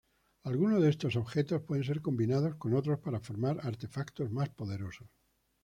Algunos de estos objetos pueden ser combinados con otros para formar artefactos más poderosos.